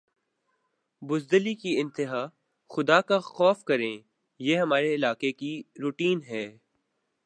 بزدلی کی انتہا خدا کا خوف کریں یہ ہمارے علاقے کی روٹین ھے